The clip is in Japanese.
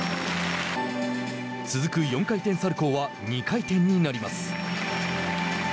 続く４回転サルコーは２回転になります。